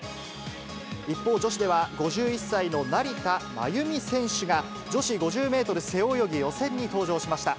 一方、女子では、５１歳の成田真由美選手が、女子５０メートル背泳ぎ予選に登場しました。